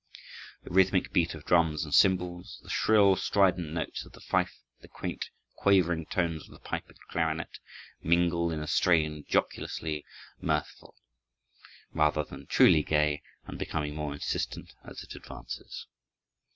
The rhythmic beat of drums and cymbals, the shrill, strident notes of the fife, the quaint, quavering tones of the pipe and clarinet, mingle in a strain jocosely mirthful, rather than truly gay, and becoming more insistent as it advances.